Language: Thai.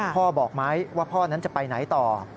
บอกไหมว่าพ่อนั้นจะไปไหนต่อ